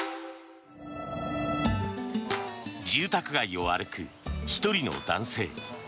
住宅街を歩く１人の男性。